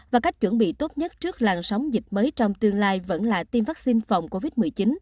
và cách chuẩn bị tốt nhất trước làn sóng dịch mới trong tương lai vẫn là tiêm vaccine phòng covid một mươi chín